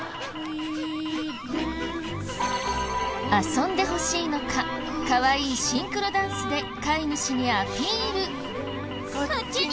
遊んでほしいのかかわいいシンクロダンスで飼い主にアピール。